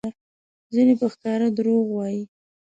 ځینې په ښکاره دروغ وایي؛